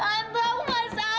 tante aku enggak salah